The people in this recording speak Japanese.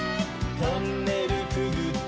「トンネルくぐって」